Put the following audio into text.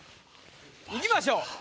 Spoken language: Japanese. いきましょう。